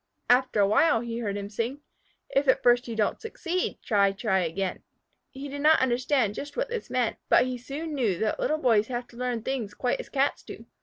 After a while he heard him sing. If at first you don't succeed Try, try again. He did not understand just what this meant, but he soon knew that Little Boys have to learn things quite as Cats do.